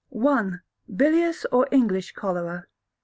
i. Bilious or English cholera.